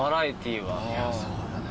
いやそうだね。